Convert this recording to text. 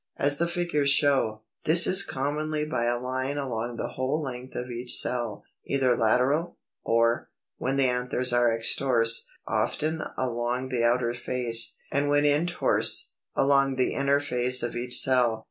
] 295. As the figures show, this is commonly by a line along the whole length of each cell, either lateral or, when the anthers are extrorse, often along the outer face, and when introrse, along the inner face of each cell.